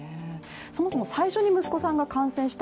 そもそも最初に息子さんが感染した